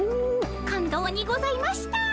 感動にございました。